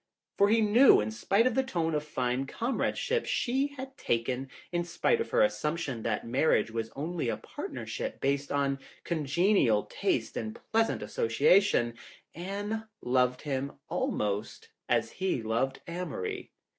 For he knew that in spite of the tone of fine comradeship she had taken, in spite of her assumption that marriage was only a partner ship based on congenial tastes and pleasant association, Anne loved him almost as he loved Amory.